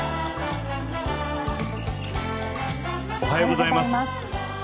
おはようございます。